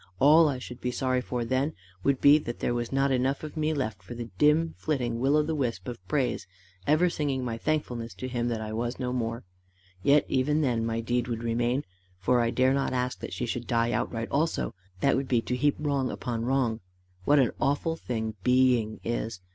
All I should be sorry for then would be, that there was not enough of me left for a dim flitting Will o' the wisp of praise, ever singing my thankfulness to him that I was no more. Yet even then my deed would remain, for I dare not ask that she should die outright also that would be to heap wrong upon wrong. What an awful thing being is!